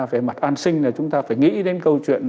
về mặt an sinh là chúng ta phải nghĩ đến câu chuyện